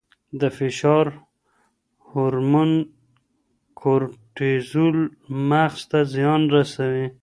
د فشار هورمون کورټیزول مغز ته زیان رسوي.